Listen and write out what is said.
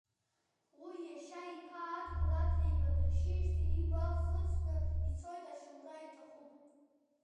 Уи иашьа иԥа Адгәыр Адлеиба дыршьиижьҭеи игәаӷ хыҵны ицоит, ашьоура иҭахуп.